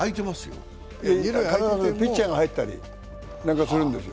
あれはピッチャーが入ったりするんですよ。